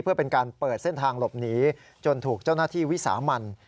เพื่อเป็นการเปิดเส้นทางหลบหนีจนถูกเจ้าหน้าที่วิสามัน